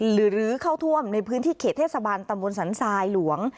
หรือเข้าท่วมในพื้นที่เขตเทศบาลตำบลสันทรายหลวง